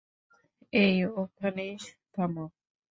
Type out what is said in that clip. এই, ওখানেই থামো।